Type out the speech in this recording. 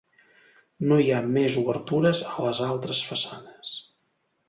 No hi ha més obertures a les altres façanes.